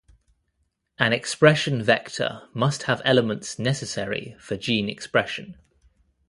An expression vector must have elements necessary for gene expression.